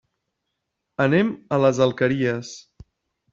Anem a les Alqueries.